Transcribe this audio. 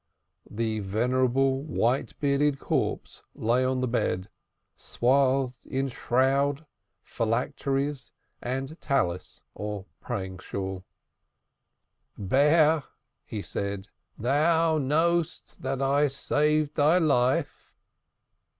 The venerable white bearded corpse lay on the bed, swathed in shroud, and Talith or praying shawl. "Bear," he said, "thou knowest that I saved thy life."